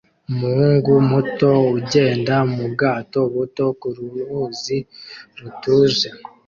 Umuhungu muto ugenda mu bwato buto ku ruzi rutuje